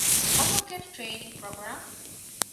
އޮޓޯކެޑް ޓްރެއިނިންގ ޕްރޮގްރާމް